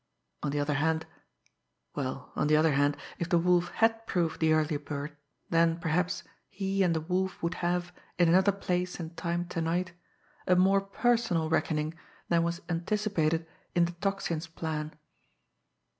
On the other hand well, on the other hand, if the Wolf had proved the early bird, then, perhaps, he and the Wolf would have, in another place and time to night, a more personal reckoning than was anticipated in the Tocsin's plan!